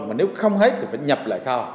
mà nếu không hết thì phải nhập lại kho